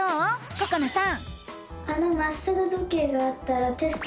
ここなさん！